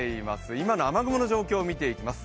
今の雨雲の状況を見ていきます。